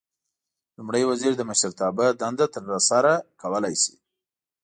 لومړی وزیر د مشرتابه دنده ترسره کولای شي.